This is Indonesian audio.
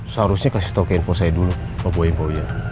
seharusnya kasih tau ke info saya dulu pak boim pak uya